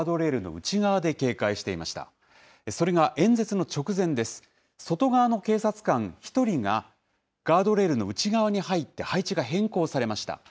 外側の警察官１人が、ガードレールの内側に入って、配置が変更されました。